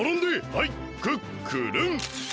はいクックルン！